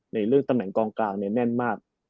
ในเรื่องตำแหน่งกลางแน่นมาก